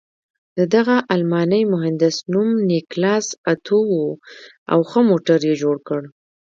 د دغه الماني مهندس نوم نیکلاس اتو و او ښه موټر یې جوړ کړ.